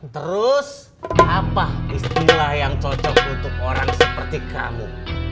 terus apa istilah yang cocok untuk orang seperti kamu